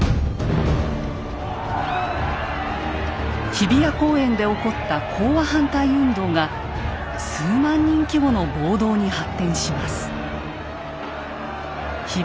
日比谷公園で起こった講和反対運動が数万人規模の暴動に発展します。